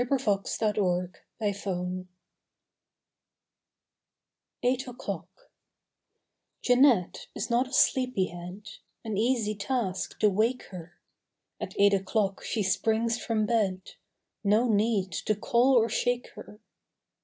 1 A PARIS PAIR A PARIS PAIR EIGHT O'CLOCK J EANETTE is not a sleepy head; An easy task, to wake her! At eight o'clock she springs from bed No need to call or shake her.